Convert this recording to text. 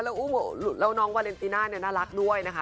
แล้วน้องวาเลนติน่านี่น่ารักด้วยนะคะ